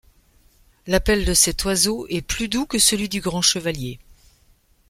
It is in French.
L'appel de cet oiseau est plus doux que celui du Grand chevalier.